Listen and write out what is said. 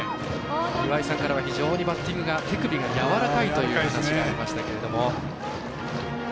岩井さんからは非常にバッティングが手首がやわらかいという話がありましたけど。